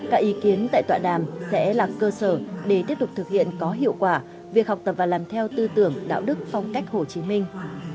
các ý kiến tại tọa đàm sẽ là cơ sở để tiếp tục thực hiện có hiệu quả việc học tập và làm theo tư tưởng đạo đức phong cách hồ chí minh